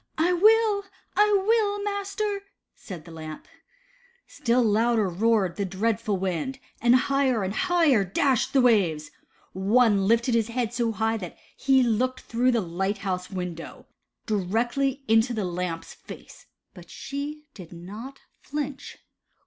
*' I will, I will, master," said the Lamp. Still louder roared the dreadful wind, and higher and higher dashed the waves. One lifted his head so high that he looked through the light house window, directly into the Lamp's face, but she did not flinch.